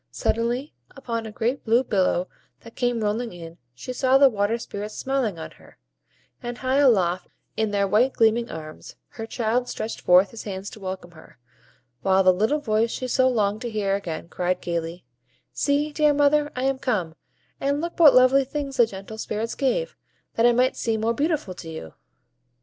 Suddenly, upon a great blue billow that came rolling in, she saw the Water Spirits smiling on her; and high aloft, in their white gleaming arms, her child stretched forth his hands to welcome her; while the little voice she so longed to hear again cried gayly,— "See, dear mother, I am come; and look what lovely things the gentle Spirits gave, that I might seem more beautiful to you."